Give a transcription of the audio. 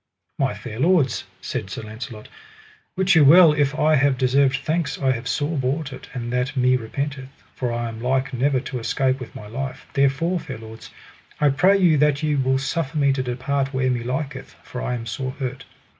My fair lords, said Sir Launcelot, wit you well if I have deserved thanks I have sore bought it, and that me repenteth, for I am like never to escape with my life; therefore, fair lords, I pray you that ye will suffer me to depart where me liketh, for I am sore hurt.